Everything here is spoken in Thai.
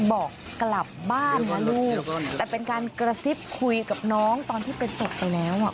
บอกกลับบ้านนะลูกแต่เป็นการกระซิบคุยกับน้องตอนที่เป็นศพไปแล้วอ่ะ